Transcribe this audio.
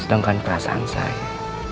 sedangkan perasaan saya